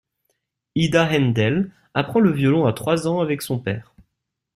Ida Haendel apprend le violon à trois ans avec son père.